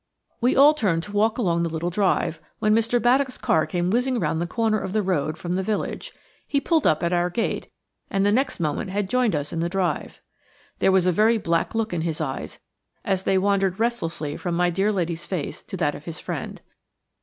We all turned to walk along the little drive, when Mr. Baddock's car came whizzing round the corner of the road from the Village. He pulled up at our gate, and the next moment had joined us in the drive. There was a very black look in his eyes, as they wandered restlessly from my dear lady's face to that of his friend.